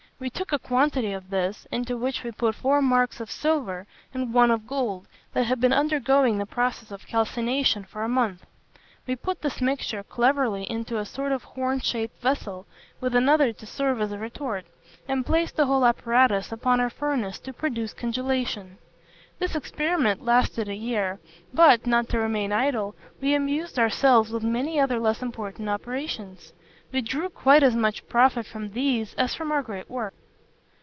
We took a quantity of this, into which we put four marks of silver and one of gold that had been undergoing the process of calcination for a month. We put this mixture cleverly into a sort of horn shaped vessel, with another to serve as a retort; and placed the whole apparatus upon our furnace to produce congelation. This experiment lasted a year; but, not to remain idle, we amused ourselves with many other less important operations. We drew quite as much profit from these as from our great work.